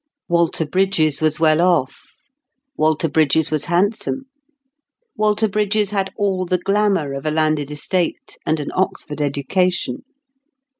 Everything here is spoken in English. Walter Brydges was well off; Walter Brydges was handsome; Walter Brydges had all the glamour of a landed estate, and an Oxford education.